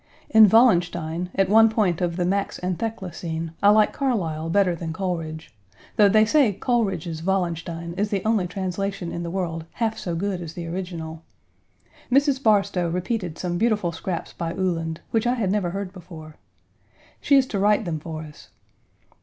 In Wallenstein at one point of the Max and Thekla scene, I like Carlyle better than Coleridge, though they say Coleridge's Wallenstein is the only translation in the world half so good as the original. Mrs. Barstow repeated some beautiful scraps by Uhland, which I had never heard before. She is to write them for us.